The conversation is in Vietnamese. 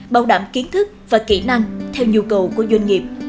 bảo đảm kiến thức và kỹ năng theo nhu cầu của doanh nghiệp